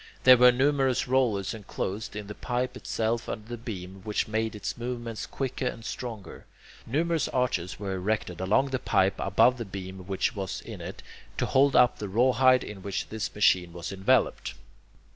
There were numerous rollers enclosed in the pipe itself under the beam, which made its movements quicker and stronger. Numerous arches were erected along the pipe above the beam which was in it, to hold up the rawhide in which this machine was enveloped.